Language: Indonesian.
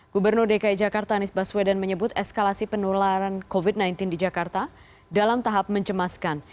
gubernur dki jakarta anies baswedan menyebut eskalasi penularan covid sembilan belas di jakarta dalam tahap mencemaskan